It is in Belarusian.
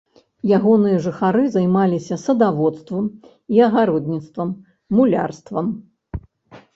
Ягоныя жыхары займаліся садаводствам і агародніцтвам, мулярствам.